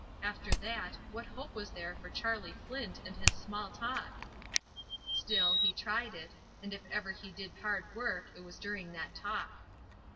After that, what hope was there for Charlie Flint and his small talk? Still, he tried it, and if ever he did hard work it was during that talk.